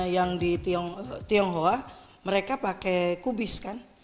yang di tionghoa mereka pakai kubis kan